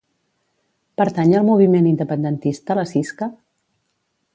Pertany al moviment independentista la Cisca?